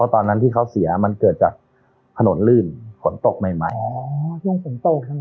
เขาท้านั้นที่เขาเสียมันเกิดจากถนนรื่นฝนตกใหม่